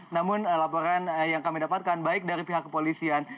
namun laporan yang kami dapatkan baik dari pihak kepolisian